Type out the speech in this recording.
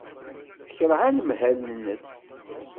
Tekṛeh anemhal-nnes.